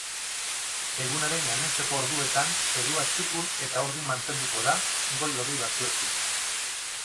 Egunaren gainontzeko orduetan zerua txukun eta urdin mantenduko da, goi-hodei batzuekin.